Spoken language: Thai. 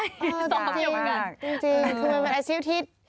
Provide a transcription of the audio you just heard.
สองคนเดียวกันจริงคือมันเป็นอาชีพที่